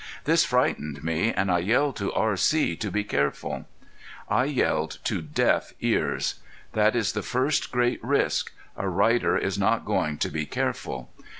This frightened me, and I yelled to R.C. to be careful. I yelled to deaf ears. That is the first great risk a rider is not going to be careful!